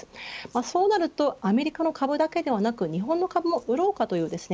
そうなるとアメリカの株だけではなく日本の株も売ろうかというですね